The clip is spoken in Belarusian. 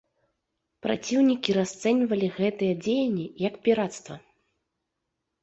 Праціўнікі расцэньвалі гэтыя дзеянні як пірацтва.